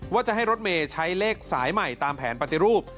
ว่าจะให้รถเมย์ใช้เลขสายใหม่ตามแผนปฏิรูป